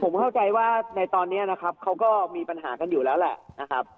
ผมเข้าใจว่าในตอนนี้นะครับเขาก็มีปัญหากันอยู่แล้วแหละนะครับ